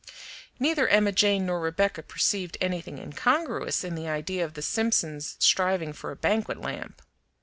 Neither Emma Jane nor Rebecca perceived anything incongruous in the idea of the Simpsons striving for a banquet lamp.